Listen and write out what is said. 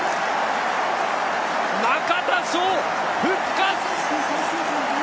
中田翔、復活！